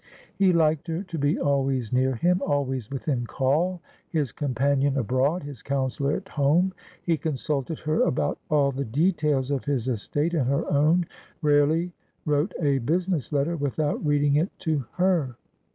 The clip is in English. He liked her to be always near him, always within call, his companion abroad, his counsellor at home. He consulted her about all the details of his estate and her own, rarely wrote a business letter without reading it to her.